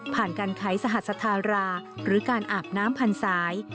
การไขสหัสธาราหรือการอาบน้ำพันสาย